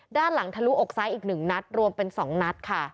ด้านหลังทะลุอกซ้ายอีกนึงนัสรวมเป็น๒นัส